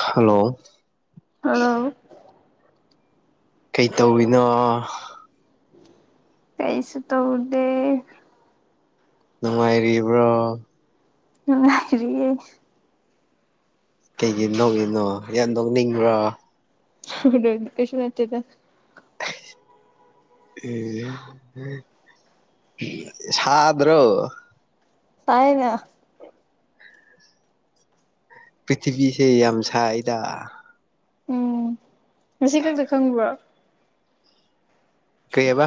Hello hello ꯀꯩ ꯇꯧꯋꯤꯅꯣ ꯀꯩꯁꯨ ꯇꯧꯔꯗꯦ ꯅꯨꯡꯉꯥꯏꯔꯤꯕ꯭ꯔꯣ ꯎꯔꯤꯦ ꯀꯩꯒꯤ ꯅꯣꯡꯏꯅꯣ ꯌꯥꯝꯟ ꯅꯣꯛꯅꯤꯡꯕ꯭ꯔꯥ ꯍ ꯈꯁ ꯃꯠꯇꯗ [inaudible] ꯁꯥꯗ꯭ꯔꯣ ꯇꯥꯏꯅ ꯄ꯭ꯔꯤꯊꯤꯕꯤꯁꯦ ꯌꯥꯝ ꯁꯥꯏꯗ ꯎꯝ ꯉꯁꯤ ꯈꯛꯇ ꯈꯪꯕ꯭ꯔꯣ ꯀꯔꯤꯌꯦꯕ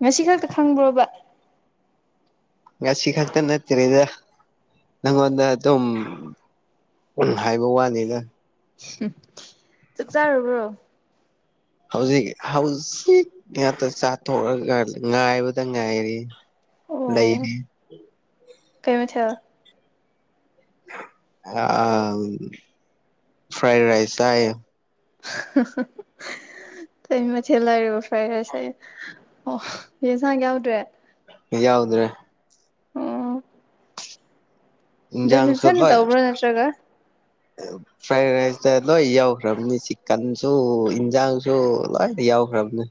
ꯉꯁꯤ ꯈꯛꯇ ꯈꯪꯗ꯭ꯔꯣꯕ ꯉꯒꯥꯁꯤ ꯈꯇ ꯅꯠꯇꯔꯦꯗ ꯅꯪꯉꯣꯟꯗ ꯑꯗꯨꯝ ꯍꯥꯏꯕ ꯋꯥꯅꯤꯗ꯫ ꯆꯥꯛ ꯆꯥꯨꯔꯕ꯭ꯔꯣ꯫ ꯍꯧꯖꯤꯛ ꯍꯧꯖꯤꯛ ꯉꯥꯛꯇ ꯆꯥꯊꯣꯛꯑꯒ ꯉꯥꯏꯕꯗ ꯉꯥꯏꯔꯤ꯫ ꯂꯩꯅꯦ꯫ ꯀꯩꯃꯤ ꯊ ꯑ ꯐ꯭ꯔꯥꯏ ꯔꯥꯏꯁ ꯍꯥꯏ [inaudible] [inaudible] ꯑꯩ ꯃꯊꯦꯜ ꯂ ꯐ꯭ꯔꯦꯔꯁ ꯑꯩ ꯑꯣ ꯌꯦꯟꯁꯥꯡ ꯌꯥꯎꯗ꯭ꯔꯦ꯫ ꯌꯥꯎꯗ꯭ꯔꯦ ꯑꯣꯝ ꯖꯥꯡ ꯁꯚꯥꯏ ꯇꯧꯕ꯭ꯔꯣ ꯅꯠꯇ꯭ꯔꯒ ꯐ꯭ꯔꯥꯏ ꯔꯥꯏꯁ ꯂꯣꯏ ꯌꯥꯎꯈ꯭ꯔꯕꯅꯤ ꯆꯤꯛꯀꯟꯁꯨ ꯌꯦꯟꯁꯥꯡꯁꯨ ꯂꯣꯏꯅ ꯌꯥꯎꯈ꯭ꯔꯕꯅꯤ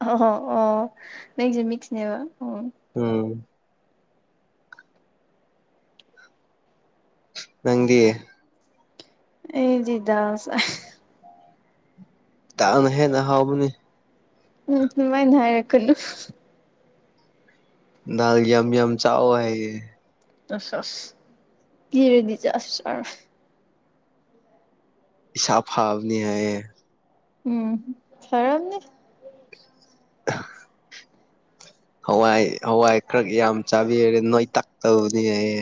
ꯑꯣ ꯑꯣ ꯅꯪꯁ ꯃꯤꯁꯤꯅꯦꯕ ꯎꯝ ꯅꯪꯗꯤꯦ ꯑꯦ ꯆꯤꯗꯥ ꯇꯥꯅ ꯍꯦ ꯅꯍꯥꯎ ꯑꯃꯅꯤ ꯎꯝ ꯃꯥꯏꯅ ꯍꯥꯏꯔꯛꯀꯅꯨ ꯗꯗꯥ ꯝ ꯝ ꯆꯥꯋ ꯍꯥꯏ ꯑ ꯀꯔꯗꯤ ꯆꯁ꯫ ꯁꯥꯥꯐꯥꯕꯅꯤ ꯍꯥꯏꯌꯦ꯫ ꯎꯝ ꯐꯔꯅꯤ꯫ ꯍꯋꯥꯏ ꯍꯋꯥꯏ ꯈꯔ ꯌꯥꯝ ꯆꯥꯕꯤꯔꯔꯦ ꯅꯣꯏ ꯇꯥꯛꯛꯇꯕꯅꯤ ꯑꯩ꯫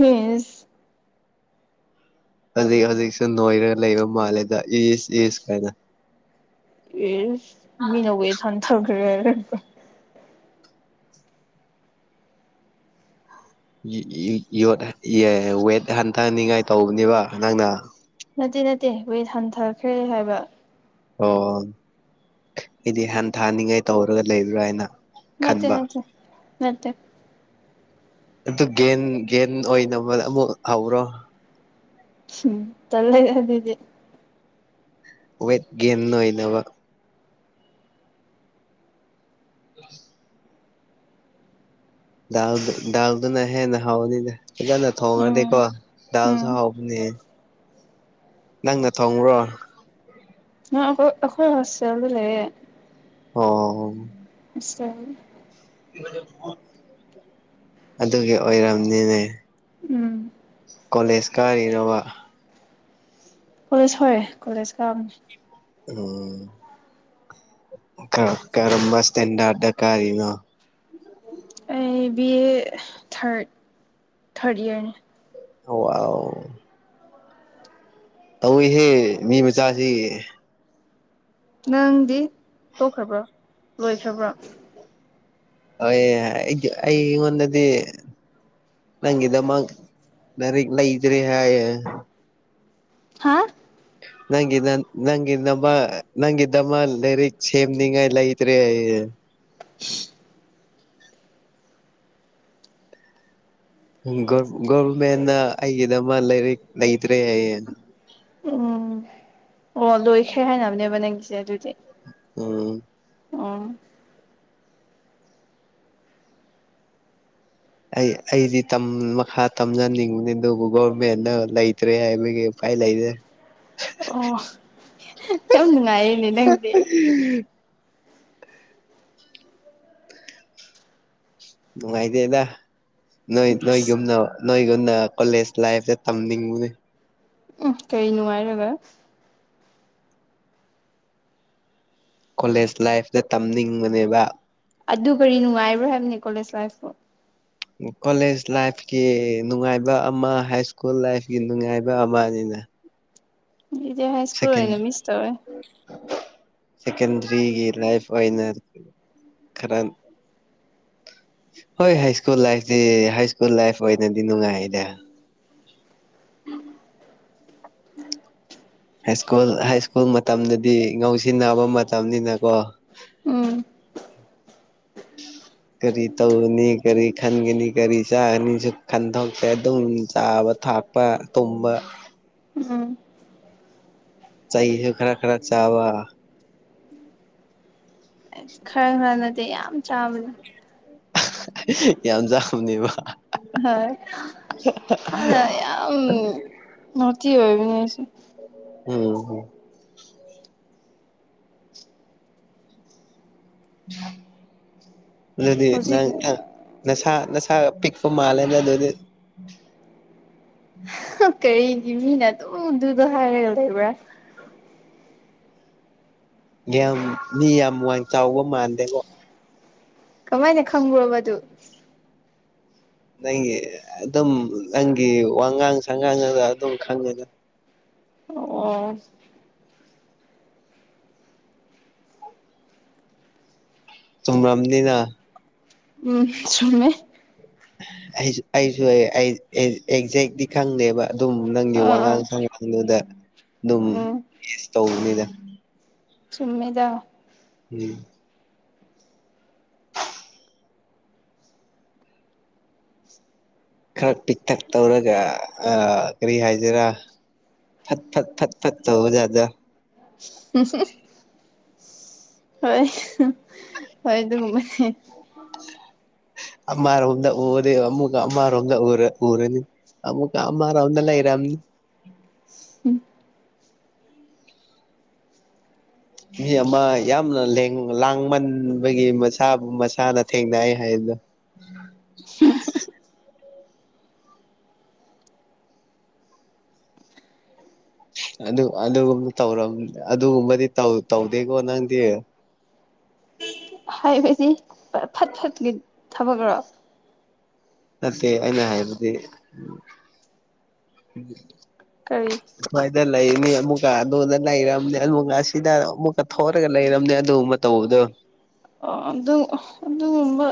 ꯍꯝꯁ꯫ ꯍꯧꯖꯤꯛ ꯍꯧꯖꯤꯛꯁꯨ ꯅꯣꯏꯔꯒ ꯂꯩꯕ ꯃꯥꯜꯂꯦꯗ ꯏꯁ ꯏꯁ ꯀꯥꯏꯅ꯫ ꯑꯦ ꯃꯤꯅꯕꯨ ꯊꯅ ꯊꯝꯈ꯭ꯔꯦ꯫ ꯋꯦꯠ ꯍꯟꯊꯍꯟꯅꯤꯡꯉꯥꯏ ꯇꯧꯕꯅꯦꯕ ꯅꯪꯅ꯫ ꯗꯦ ꯋꯦ ꯍꯟꯊꯈ꯭ꯔꯦ ꯍꯥꯏꯕ꯫ ꯑꯣ ꯑꯩꯗꯤ ꯍꯟꯊꯥꯅꯤꯡꯉꯥꯏ ꯇꯧꯔꯒ ꯂꯩꯕ꯭ꯔꯥ ꯍꯥꯏꯅ ꯅꯠꯇꯦ ꯈꯟꯕ ꯅꯠꯇꯦ ꯅꯠꯇꯦ ꯑꯗꯨ ꯒꯦꯟ ꯒꯦꯟ ꯑꯣꯏꯅꯕ ꯑꯃꯨꯛ ꯍꯧꯔꯣ ꯎꯝ ꯇꯜꯂ‌ꯦ ꯑꯗꯨꯗꯤ꯫ ꯋꯦꯠ ꯒꯦꯟ ꯑꯣꯏꯅꯕ [inaudible] ꯗꯥꯜ ꯗꯥꯜꯗꯨꯅ ꯍꯦꯟꯅ ꯍꯥꯎꯅꯤꯅ ꯐꯖꯅ ꯎꯝ ꯊꯣꯡꯉꯅꯤꯀ‌ꯣ ꯗꯥꯜ ꯁꯨ ꯎꯝ ꯍꯥꯎꯕꯅ‌ꯦ ꯅꯪꯅ ꯊꯣꯡꯉꯨꯕ꯭ꯔ‌ꯣ ꯑꯩꯈꯣꯏ ꯑꯩꯈꯣꯏ ꯍ‌ꯣꯁꯇ‌ꯦꯂꯗ ꯂꯩꯌ‌ꯦ ꯑꯣ ꯏꯁꯇꯟ ꯑꯗꯨꯒꯤ ꯑꯣꯏꯔꯝꯅꯤꯅꯦ ꯎꯝ ꯀꯣꯂꯦꯖ ꯀꯥꯔꯤꯔ‌ꯣꯕ ꯀꯣꯂꯦꯖ ꯍꯣꯏꯔꯦ ꯀꯣꯂꯦꯖ ꯀꯥꯕꯅꯦ ꯎꯝ ꯀ ꯀꯔꯝꯕ ꯁꯇ‌ꯦꯟꯗꯔꯗ ꯀꯥꯔꯤꯅꯣ ꯑꯩ ꯕꯤ ꯑꯦ ꯊꯥꯔꯠ ꯊꯥꯔꯗ ꯌꯥꯔꯅꯤ ꯑꯣ ꯇꯧꯋꯤꯍꯦ ꯃꯤ ꯃꯆꯥꯥꯁꯤ ꯅꯪꯗꯤ ꯇꯣꯛꯈ꯭ꯔꯕ꯭ꯔꯣ ꯂꯣꯏꯈ꯭ꯔꯕ꯭ꯔꯥ ꯍꯣꯏ ꯑꯩ ꯑꯩꯉꯣꯟꯗꯗꯤ ꯅꯪꯒꯤꯗꯃꯛ ꯂꯥꯏꯔꯤꯛ ꯂꯩꯗ꯭ꯔ‌ꯦ ꯍꯥꯏꯌ‌ꯦ ꯍꯥꯥ ꯅꯪꯒꯤ ꯅꯪ ꯅꯪꯒꯤ ꯅꯃ ꯅꯪ ꯒꯤꯗꯃꯛ ꯂꯩꯥꯏꯔꯤꯛ ꯁꯦꯝꯅꯤꯡꯉꯥꯏ ꯂꯩꯇ꯭꯭ꯔꯦ ꯒꯣꯚꯔꯃꯦꯟꯅ ꯑꯩꯒꯤꯗꯃꯛ ꯂꯥꯏꯔꯤꯛ ꯂꯩꯇ꯭ꯔꯦꯌꯦ ꯎꯝ ꯑꯣ ꯂꯣꯏꯈ꯭ꯔꯦ ꯍꯥꯏꯅꯕꯅꯦꯕ ꯅꯪꯒꯤꯁꯦ ꯑꯗꯨꯗꯤ ꯎꯝ ꯑꯣ ꯑꯩ ꯑꯩꯗꯤ ꯇꯝ ꯃꯈꯥ ꯇꯝꯗꯅꯤꯡꯕꯅꯤ ꯑꯗꯨꯕꯨ ꯀ‌ꯣ ꯒ‌ꯣꯃ‌ꯦꯟꯅ ꯂꯩꯇ꯭ꯔꯦ ꯍꯥꯏꯕꯒꯤ ꯀꯥꯏ ꯂꯩꯔ‌ꯦ ꯑꯣ ꯌꯥꯝ ꯅꯨꯡꯉꯥꯏꯌ‌ꯦꯅꯦ ꯅꯪꯗꯤ ꯅꯨꯡꯉꯥꯏꯇꯦꯗ ꯅꯣꯏ ꯅꯣꯏ ꯏꯁ ꯌꯨꯝꯅ ꯅꯣꯏꯒꯨꯝꯅ ꯀꯣꯂꯦꯖ ꯂꯥꯏꯐꯁꯦ ꯇꯝꯅꯤꯡꯕꯅꯦ ꯎꯝ ꯀꯔꯤ ꯅꯨꯡꯉꯥꯏꯔꯒ ꯀꯣꯂꯦꯖ ꯂꯥꯏꯐꯇ ꯇꯝꯅꯤꯡꯕꯅꯦꯕ ꯑꯗꯨ ꯀꯔꯤ ꯅꯨꯡꯉꯥꯏꯕ꯭ꯔꯣ ꯍꯥꯏꯕꯅꯤ ꯀꯣꯂꯦꯖ ꯂꯥꯏꯐꯇꯨ ꯀꯣꯂꯦꯖ ꯂꯥꯏꯐꯀꯤ ꯅꯨꯡꯉꯥꯏꯕ ꯑꯃ ꯍꯥꯏ ꯁ꯭ꯀꯨꯜ ꯂꯥꯏꯐꯀꯤ ꯅꯨꯡꯉꯥꯏꯕ ꯑꯃꯅꯤꯅ [inaudible] ꯕꯤꯖꯦ ꯍꯥꯏꯁꯀꯨꯜ ꯁꯦꯀꯦꯟ ꯑꯣꯏꯅ ꯃꯤꯁ ꯇꯧꯋꯦ [inaudible] ꯍꯣꯏ ꯍꯥꯏ ꯁ꯭ꯀꯨꯜ ꯂꯥꯏꯐꯁꯤ ꯍꯥꯏ ꯁ꯭ꯀꯨꯜ ꯂꯥꯏꯐ ꯑꯣꯏꯅꯗꯤ ꯅꯨꯡꯉꯥꯏꯗ ꯎꯝ ꯍꯥꯏ ꯁꯀꯨꯜ ꯍꯥꯏ ꯁ꯭ꯀꯨꯜ ꯃꯇꯝꯗꯗꯤ ꯉꯧꯁꯤꯟꯅꯕ ꯃꯇꯝꯅꯤꯅꯀꯣ ꯎꯝ ꯎꯝ ꯀꯔꯤ ꯇꯧꯅꯤ ꯀꯔꯤ ꯈꯟꯒꯅꯤ ꯀꯔꯤ ꯆꯥꯒꯅꯤꯁꯨ ꯈꯟꯗꯣꯛꯁꯦ ꯑꯗꯨꯝ ꯆꯥꯕ ꯊꯥꯛꯄ ꯇꯨꯝꯕ ꯎꯝ ꯆꯩꯁꯨ ꯈꯔ ꯈꯔ ꯆꯥꯕ ꯈꯔ ꯈꯔ ꯅꯠꯇꯦ ꯌꯥꯝ ꯆꯥꯕꯗ ꯌꯥꯝ ꯆꯥꯕꯅꯦꯕ ꯍꯣꯏ ꯍꯥꯟꯅ ꯌꯥꯝꯝ ꯅ‌ꯣꯇꯤ ꯑꯣꯏꯕꯅꯦ ꯑꯩꯁ‌ꯦ ꯎꯝꯝ ꯑꯗꯨꯗꯤ ꯍꯧꯖꯤꯛ ꯅꯪ ꯅꯁꯥ ꯅꯁꯥ ꯅꯁꯥ ꯄꯤꯛꯄ ꯃꯥꯂ‌ꯦꯗ ꯑꯗꯨꯗꯤ ꯀꯔꯤꯒꯤ ꯃꯤꯅ ꯑꯗꯨꯝ ꯗꯨꯗꯣ ꯍꯥꯏꯔꯒ ꯂꯩꯕ꯭ꯔꯥ ꯌꯥꯝ ꯃꯤ ꯌꯥꯝ ꯋꯥꯡ ꯆꯥꯎꯕ ꯃꯥꯟꯗꯦꯉ‌ꯣ ꯀꯃꯥꯏꯅ ꯈꯪꯕꯔ‌ꯣꯕ ꯑꯗꯨ ꯅꯪꯒꯤ ꯑꯗꯨꯝ ꯅꯪꯒꯤ ꯋꯥꯉꯥꯡ ꯁꯉꯥꯡ ꯑꯗꯨꯗ ꯑꯗꯨꯝ ꯈꯪꯉꯦꯗ [inaudible] ꯑꯣ ꯆꯨꯝꯔꯝꯅꯤꯗ ꯎꯝ ꯁꯨꯝꯃꯦ ꯑꯩꯁꯨ ꯑꯩꯁꯨ ꯑꯩ ꯑꯩ ꯑꯦꯛꯖꯦꯛꯇꯤ ꯈꯪꯗꯦꯕ ꯑꯗꯨꯝ ꯅꯪꯒꯤ ꯑꯥ ꯑꯥ ꯋꯥꯉꯥꯡ ꯁꯉꯥꯡꯗꯨꯗ ꯑꯗꯨꯝꯁ ꯎꯝ ꯒ‌ꯦꯁ ꯇꯧꯕꯅꯤꯗ ꯆꯨꯝꯃꯤꯗ ꯎꯝ ꯈꯔ ꯄꯤꯛꯇꯛ ꯇꯧꯔꯒ ꯑ ꯀꯔꯤ ꯍꯥꯏꯖꯤꯔꯥ ꯐꯠ ꯐꯠ ꯐꯠ ꯐꯠ ꯇꯧꯕꯌꯥꯗ‌ꯣ [inaudible] ꯍꯣꯏ ꯍꯣꯏ ꯑꯗꯨꯒꯨꯝꯕꯅꯤ ꯑꯃꯔꯣꯝꯗ ꯎꯔꯗꯤ ꯑꯃꯨꯛ ꯑꯃꯔꯣꯝꯗ ꯎꯔ ꯎꯔꯅꯤ ꯑꯃꯨꯛꯀ ꯑꯃꯔ‌ꯣꯝꯗ ꯂꯩꯔꯝꯅꯤ ꯃꯤ ꯑꯃ ꯌꯥꯝꯅ ꯂꯦꯡ ꯂꯥꯡꯃꯟꯕꯒꯤ ꯃꯁꯥꯕꯨ ꯃꯁꯥꯅ ꯊꯦꯡꯅꯩ ꯍꯥꯏꯗꯣ [inaudible] [inaudible] ꯑꯗꯨ ꯑꯗꯨꯒꯨꯝꯕ ꯇꯧꯔꯝ ꯑꯗꯨꯒꯨꯝꯕꯗꯤ ꯇꯧꯗꯦꯀꯣ ꯅꯪꯗꯤ ꯍꯥꯏꯕꯗꯤ ꯐꯠ ꯐꯠꯀꯤ ꯊꯕꯛꯔ‌ꯣ ꯅꯠꯇꯦ ꯑꯩꯅ ꯍꯥꯏꯕꯗꯤ ꯀꯔꯤ ꯁꯨꯃꯥꯏꯅ ꯂꯩꯅꯤ ꯑꯃꯨꯛꯀ ꯑꯗꯨꯗꯣꯟꯗ ꯂꯩꯔꯝꯅꯤ ꯑꯃꯨꯛꯀ ꯑꯁꯤꯗ ꯑꯃꯨꯛꯀ ꯊ‌ꯣꯂꯒ ꯂꯩꯔꯕꯝꯅꯦ ꯑꯗꯨꯒ ꯃꯇꯧꯕꯗꯣ ꯑꯣ ꯑꯗꯨ ꯑꯗꯨꯒꯨꯝꯕ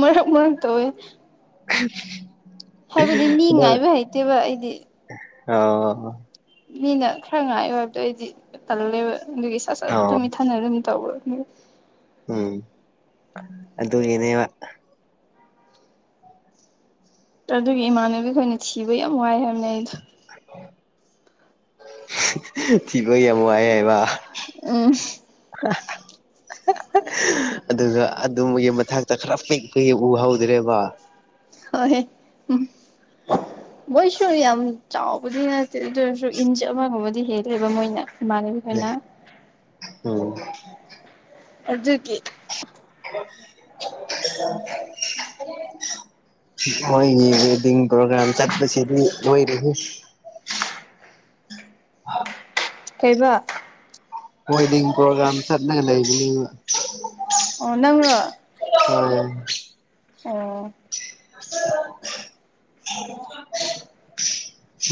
ꯃꯔꯛ ꯃꯔꯛ ꯇꯧꯋꯦ [inaudible] ꯍꯥꯏꯕꯗꯤ ꯃꯤ ꯑꯗ ꯉꯥꯏꯕ ꯍꯩꯇꯦꯕ ꯑꯩꯗꯤ ꯑꯣ ꯃꯤꯅ ꯈꯔ ꯉꯥꯏꯌꯨ ꯍꯥꯏꯕꯗꯣ ꯑꯣꯏꯗꯤ ꯇꯜꯂꯦꯕ ꯑꯗꯨꯒꯤ ꯁꯠ ꯁꯠ ꯑꯣ ꯇꯨꯃꯤꯠꯊꯅ ꯑꯗꯨꯝ ꯇꯧꯔꯝꯅ‌ꯦ ꯎꯝ ꯑꯗꯨꯒꯤꯅ‌ꯦꯕ ꯑꯗꯨꯒꯤ ꯏꯃꯥꯟꯅꯕꯤ ꯈꯣꯏꯅ ꯊꯤꯕ ꯌꯥꯝ ꯋꯥꯏ ꯍꯥꯏꯕꯅꯦ ꯑꯩꯗꯣ ꯊꯤꯕ ꯌꯥꯝ ꯋꯥꯏ ꯍꯥꯏꯕ ꯑꯝ [inaudible] ꯑꯗꯨꯒ ꯑꯗꯨꯝꯕꯒꯤ ꯃꯊꯛꯇ ꯈꯔ ꯄꯤꯛ ꯄꯤ ꯎꯍꯧꯗ꯭ꯔꯦꯕ ꯍꯣꯏ ꯍꯝ [inaudible] ꯃꯣꯏꯁꯨ ꯌꯥꯝ ꯆꯥꯎꯕꯗꯤ ꯅꯠꯇꯦ ꯑꯗꯨ ꯑꯣꯏꯔꯁꯨ ꯏꯟꯆ ꯑꯃꯒꯨꯝꯕꯗꯤ ꯍꯦꯜꯂꯦꯕ ꯃꯣꯏꯅ ꯃꯥꯅꯤꯕꯤ ꯈꯩꯅ ꯑꯣ ꯔꯖꯤꯀꯤ ꯑ ꯃꯣꯏꯒꯤ ꯋꯦꯗꯤ ꯄ꯭ꯔꯣꯒ꯭ꯔꯝ ꯆꯠꯄꯁꯤꯗꯤ ꯑꯣꯏꯔꯁꯤ ꯍ ꯀꯩꯕ ꯍꯣꯏꯗꯤ ꯄꯣꯒ꯭ꯔꯝꯁ ꯑꯣ ꯅꯪꯅꯣ ꯍ ꯑꯣ ꯍ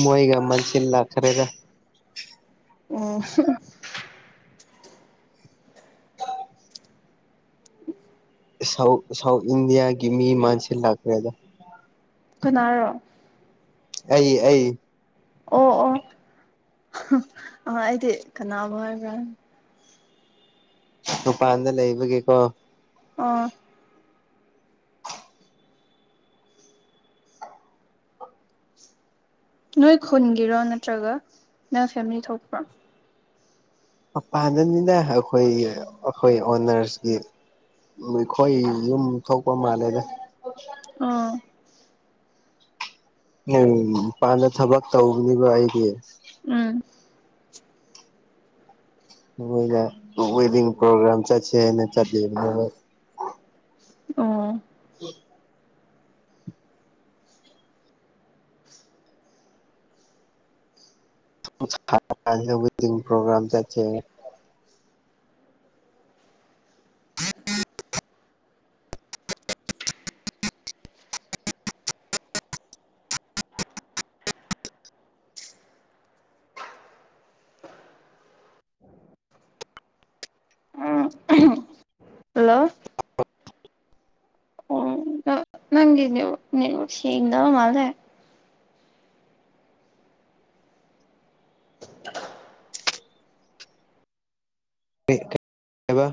ꯃꯣꯏꯒ ꯃꯟꯁꯤꯜꯂ ꯈꯔꯦꯗ ꯑꯣ ꯁꯥꯎ ꯁꯥꯎꯠ ꯏꯟꯗꯤꯌꯥꯒꯤ ꯃꯤ ꯃꯁꯤ ꯂꯥꯛꯀ꯭ꯔꯦꯗ ꯈꯨꯅꯥꯔꯣ ꯑꯩ ꯑꯩ ꯑꯣ ꯑꯣ ꯑ ꯑꯩꯗꯤ ꯀꯅꯥꯕꯨ ꯍꯥꯏꯕ꯭ꯔꯥ ꯃꯄꯥꯟꯗ ꯂꯩꯕꯒꯤꯦꯀꯣ ꯑꯥ ꯅꯣꯏ ꯈꯨꯟꯒꯤꯔꯣ ꯅꯠꯇ꯭ꯔꯒ ꯅꯣꯏ ꯐꯦꯃꯤꯂꯤ ꯊꯣꯛꯄ꯭ꯔꯣ ꯄꯥꯅꯕꯅꯤꯅ ꯑꯩꯈꯣꯏ ꯑꯩꯈꯣꯏ ꯑꯣꯅꯔꯁꯀꯤ ꯑꯩꯈꯣꯏ ꯌꯨꯝ ꯊꯣꯛꯄ ꯃꯥꯜꯂꯦꯗ ꯑꯥ ꯎꯝ ꯄꯥꯟꯅ ꯊꯕꯛ ꯇꯧꯅꯤꯕꯔꯤꯦ ꯎꯝ ꯋꯦꯗꯤ ꯄꯣꯒ꯭ꯔꯝ ꯆ ꯆ ꯑꯣ ꯎ ꯄꯣꯒ꯭ꯔꯝ ꯆꯦ ꯍꯜꯂꯣ ꯅꯪꯅꯤꯁꯤꯗ ꯃꯥꯜꯗꯦ [inaudible] ꯕ